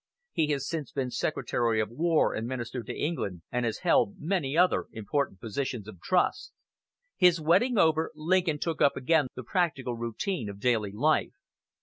He has since been Secretary of War and Minister to England, and has held many other important positions of trust. His wedding over, Lincoln took up again the practical routine of daily life.